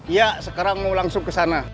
ya sekarang mau langsung ke sana